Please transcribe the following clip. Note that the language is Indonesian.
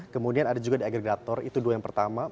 kemudian ada juga di agregator itu dua yang pertama